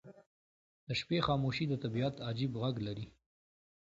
• د شپې خاموشي د طبیعت عجیب غږ لري.